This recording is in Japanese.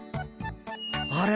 あれ？